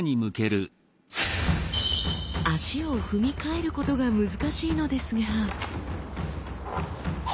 足を踏み替えることが難しいのですが。